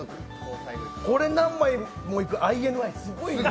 これ何枚もいくＩＮＩ、すごいなあ。